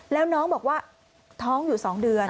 แล้วน้องบอกว่าท้องอยู่๒เดือน